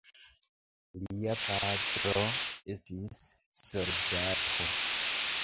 Lia patro estis soldato.